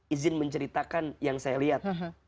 izin menceritakan yang saya lihat